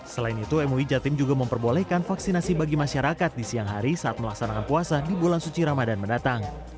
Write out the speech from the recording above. selain itu mui jatim juga memperbolehkan vaksinasi bagi masyarakat di siang hari saat melaksanakan puasa di bulan suci ramadan mendatang